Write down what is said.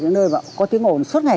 những nơi mà có tiếng ồn suốt ngày